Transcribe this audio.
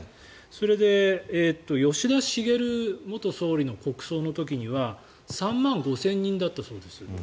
それで吉田茂元総理の国葬の時には３万５０００人だったそうです。